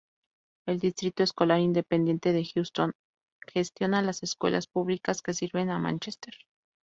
El Distrito Escolar Independiente de Houston gestiona las escuelas públicas que sirven a Manchester.